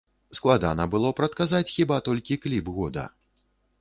Складана было прадказаць хіба толькі кліп года.